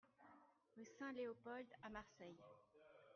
Rue Saint-Léopold à Marseille